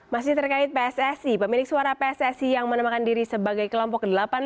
masih terkait pssi pemilik suara pssi yang menemakan diri sebagai kelompok delapan puluh lima